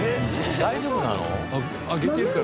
大丈夫なの？